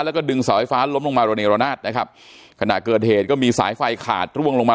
แล้วก็ดึงเสาไฟฟ้าล้มลงมาโรเนรนาศนะครับขณะเกิดเหตุก็มีสายไฟขาดร่วงลงมา